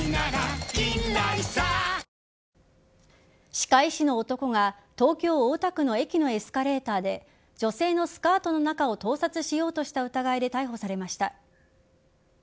歯科医師の男が東京・大田区の駅のエスカレーターで女性のスカートの中を盗撮しようとした疑いで逮捕されました。